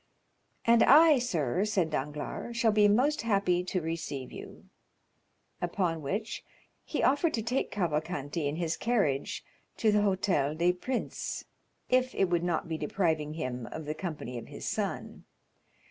"And I, sir," said Danglars, "shall be most happy to receive you." Upon which he offered to take Cavalcanti in his carriage to the Hôtel des Princes, if it would not be depriving him of the company of his son.